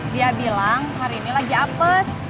dia bilang hari ini lagi apes